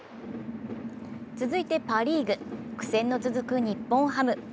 続いてパ・リーグ苦戦の続く日本ハム。